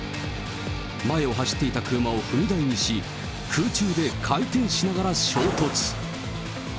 前を走っていた車を踏み台にし、空中で回転しながら衝突。